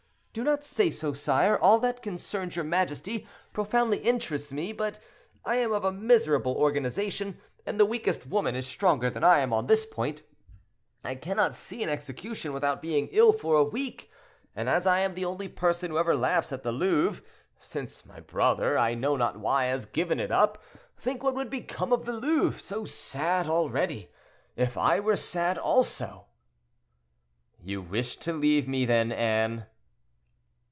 "Do not say so, sire; all that concerns your majesty profoundly interests me; but I am of a miserable organization, and the weakest woman is stronger than I am on this point. I cannot see an execution without being ill for a week; and as I am the only person who ever laughs at the Louvre, since my brother—I know not why—has given it up, think what would become of the Louvre—so sad already—if I were sad also." "You wish to leave me then, Anne."